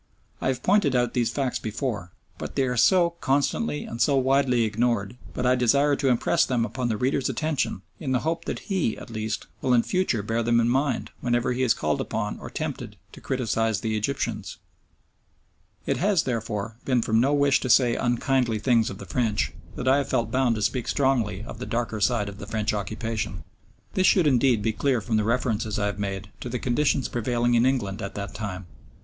I have pointed out these facts before, but they are so constantly and so widely ignored that I desire to impress them upon the reader's attention in the hope that he, at least, will in future bear them in mind whenever he is called upon or tempted to criticise the Egyptians. It has, therefore, been from no wish to say unkindly things of the French that I have felt bound to speak strongly of the darker side of the French occupation. This should indeed be clear from the references I have made to the conditions prevailing in England at that time.